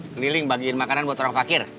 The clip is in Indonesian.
keliling bagiin makanan buat orang fakir